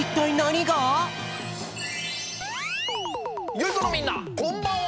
よいこのみんなこんばんは！